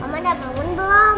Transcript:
oma oma udah bangun belum